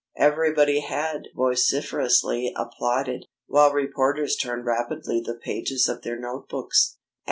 Everybody had vociferously applauded, while reporters turned rapidly the pages of their note books.